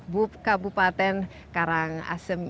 buka bupaten karangasem